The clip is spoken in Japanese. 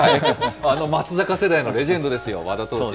松坂世代のレジェンドですよ、和田投手。